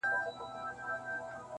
• ملامت نۀ وه كۀ يى مخ كۀ يى سينه وهله,